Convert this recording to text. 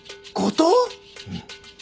うん。